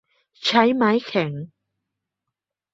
ใช้ไม้แข็ง